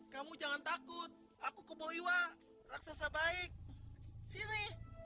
kamu jangan takut aku kebohiwa raksasa baik sini